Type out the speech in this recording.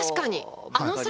確かに。